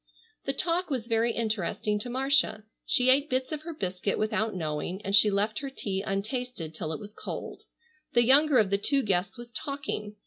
The talk was very interesting to Marcia. She ate bits of her biscuit without knowing, and she left her tea untasted till it was cold. The younger of the two guests was talking.